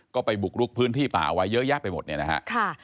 ก็ไปบุกลุกพื้นที่ป่าเอาไว้เยอะแยะไปหมดเนี่ยนะฮะ